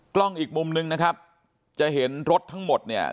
กล้องอีกมุมนึงนะครับจะเห็นรถทั้งหมดเนี่ย